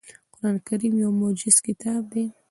قرآن کریم یو معجز کتاب دی .